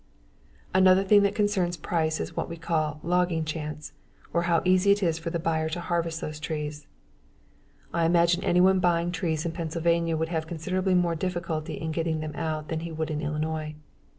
Another thing that concerns price is what we call "logging chance" or how easy is it for the buyer to harvest those trees. I imagine anyone buying trees in Pennsylvania would have considerably more difficulty in getting them out than he would in Illinois.